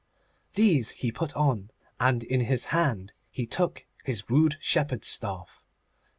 These he put on, and in his hand he took his rude shepherd's staff.